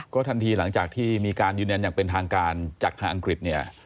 ทันทีหลังจากที่มีการยืนยันอย่างเป็นทางการจากทางอังกฤษเนี่ย